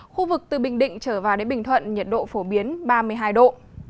khu vực từ bình định trở vào đến bình thuận nhiệt độ phổ biến ba mươi hai độ